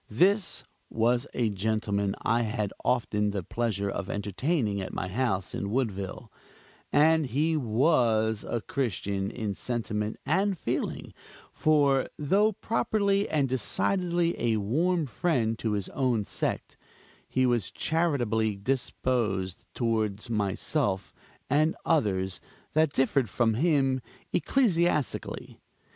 This was a gentleman I had often the pleasure of entertaining at my house in Woodville; and he was a Christian in sentiment and feeling; for though properly and decidedly a warm friend to his own sect, he was charitably disposed toward myself and others that differed from him ecclesiastically.